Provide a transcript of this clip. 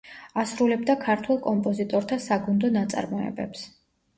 ასრულებდა ქართველ კომპოზიტორთა საგუნდო ნაწარმოებებს.